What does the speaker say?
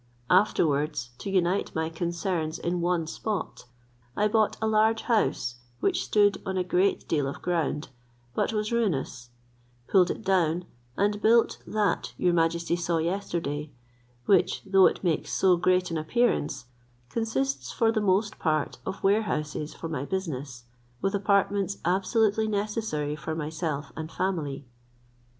Afterwards, to unite my concerns in one spot, I bought a large house, which stood on a great deal of ground, but was ruinous, pulled it down, and built that your majesty saw yesterday, which, though it makes so great an appearance, consists, for the most part, of warehouses for my business, with apartments absolutely necessary for myself and family.